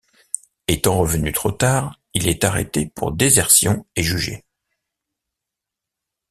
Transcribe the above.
Étant revenu trop tard, il est arrêté pour désertion et jugé.